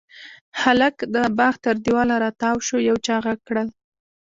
هلک د باغ تر دېواله را تاو شو، يو چا غږ کړل: